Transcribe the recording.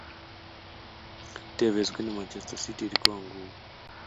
Tevez kwenda manchester city ilikuwa ngumu